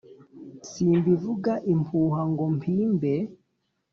Simbivuga impuha ngo mpimbe